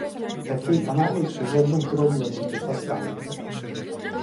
Такий аналіз уже був зроблений департаментом.